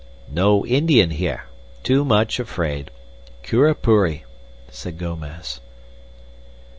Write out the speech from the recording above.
"No Indian here. Too much afraid. Curupuri," said Gomez.